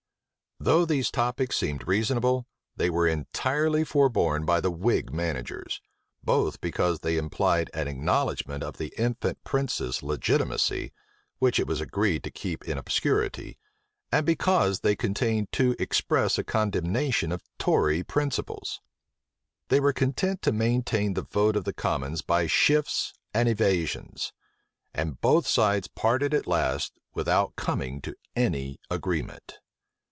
Though these topics seem reasonable, they were entirely forborne by the whig managers; both because they implied an acknowledgment of the infant prince's legitimacy, which it was agreed to keep in obscurity, and because they contained too express a condemnation of tory principles. They were content to maintain the vote of the commons by shifts and evasions; and both sides parted at last without coming to any agreement.